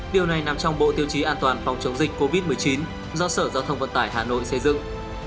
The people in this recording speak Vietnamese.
điều này nằm trong bộ tiêu chí an toàn phòng chống dịch covid một mươi chín do sở giao thông vận tải hà nội xây dựng